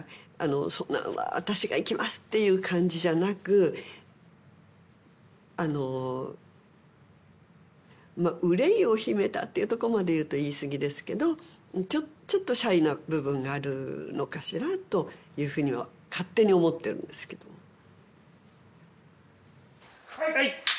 そんな「わ私が行きます」っていう感じじゃなくあの憂いを秘めたっていうとこまで言うと言い過ぎですけどちょっとシャイな部分があるのかしらというふうには勝手に思ってるんですけどはい！